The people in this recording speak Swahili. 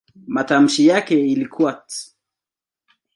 Matamshi yake ilikuwa "t".